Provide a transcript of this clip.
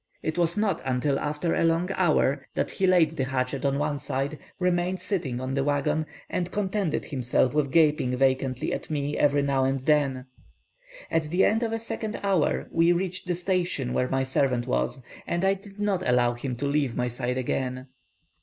It was not until after a long hour that he laid the hatchet on one side, remained sitting on the waggon, and contented himself with gaping vacantly at me every now and then. At the end of a second hour we reached the station where my servant was, and I did not allow him to leave my side again.